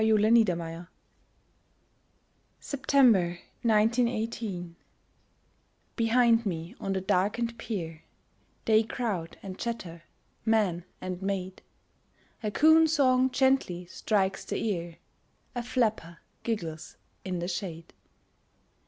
THE NIGHT PATROL SEPTEMBER 1918 Behind me on the darkened pier They crowd and chatter, man and maid, A coon song gently strikes the ear, A flapper giggles in the shade.